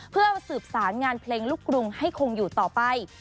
เพื่อสืบสารงานเพลงลูกกรุงให้คงอยู่ต่อไป